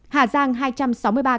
hà giang hai trăm sáu mươi ba ca